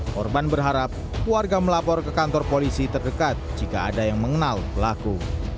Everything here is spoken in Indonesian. korban berharap warga melapor ke kantor polisi terdekat jika ada yang mengenal pelaku